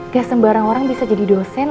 gak sembarang orang bisa jadi dosen